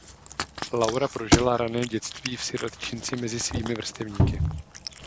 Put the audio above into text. Laura prožila rané dětství v sirotčinci mezi svými vrstevníky.